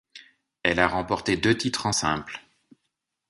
Elle a remporté deux titres en simple.